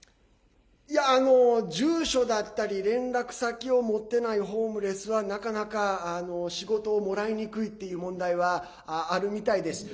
住所だったり、連絡先を持っていないホームレスはなかなか仕事をもらいにくいっていう問題はあるみたいです。